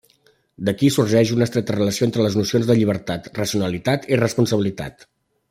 D'aquí sorgeix una estreta relació entre les nocions de llibertat, racionalitat i responsabilitat.